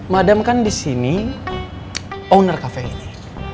madam kan di sini owner cafe ini